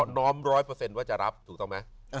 น้อมร้อยเปอร์เซ็นต์ว่าจะรับถูกต้องไหม